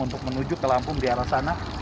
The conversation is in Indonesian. untuk menuju ke lampung di arah sana